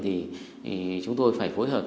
thì chúng tôi phải phối hợp